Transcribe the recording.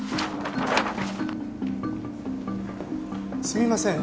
すみません。